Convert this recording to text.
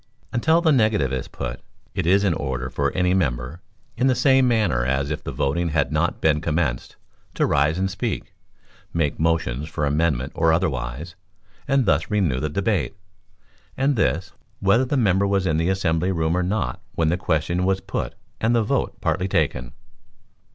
Until the negative is put, it is in order for any member, in the same manner as if the voting had not been commenced, to rise and speak, make motions for amendment or otherwise, and thus renew the debate; and this, whether the member was in the assembly room or not when the question was put and the vote partly taken.